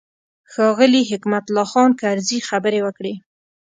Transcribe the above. ښاغلي حکمت الله خان کرزي خبرې وکړې.